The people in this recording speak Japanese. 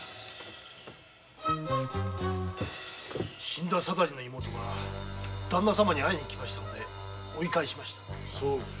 死んだ貞次の妹がだんな様に会いに来ましたので追い返しました。